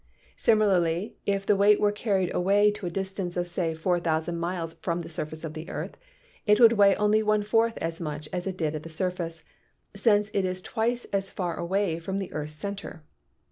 Similarly if the weight were carried away to a distance of say 4,000 miles from the surface of the earth, it would weigh only one fourth as much as it did at the surface, since it is twice as far away from the earth's center.